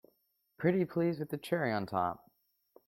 Pretty please with a cherry on top!